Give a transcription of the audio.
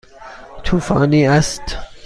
طوفانی است.